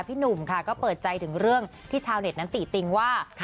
พี่หนุ่มค่ะก็เปิดใจถึงเรื่องที่ชาวเน็ตนั้นติติงว่า